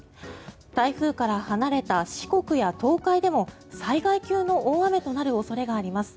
台風から離れた四国や東海でも災害級の大雨となる恐れがあります。